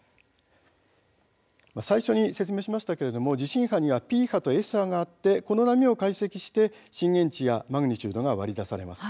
最初にご説明しましたが地震波にはＰ波とＳ波があってこの波を解析して震源地やマグニチュードが割り出されます。